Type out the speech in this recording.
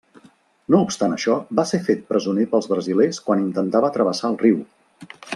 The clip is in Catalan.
No obstant això va ser fet presoner pels brasilers quan intentava travessar el riu.